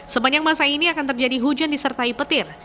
sepanjang masa ini akan terjadi hujan disertai petir